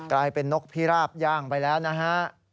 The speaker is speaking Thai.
กลายเป็นนกพิราบย่างไปแล้วนะฮะ